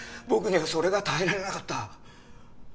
僕にはそれが耐えられなかった。